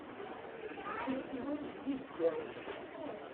D tiktiwin tizedganin.